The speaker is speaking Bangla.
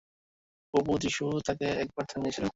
প্রভু যিশু তাকে একবার থামিয়েছিলেন!